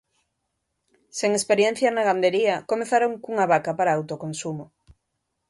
Sen experiencia na gandería, comezaron cunha vaca para autoconsumo.